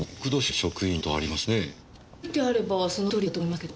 書いてあればそのとおりだと思いますけど。